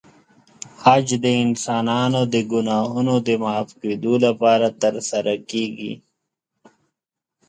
حج د انسانانو د ګناهونو د معاف کېدو لپاره ترسره کېږي.